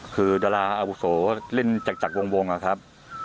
คือดราอาบุษโหลเล่นจักรจักรวงอ่ะครับ